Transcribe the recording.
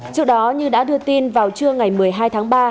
trước đó như đã đưa tin vào trưa ngày một mươi hai tháng ba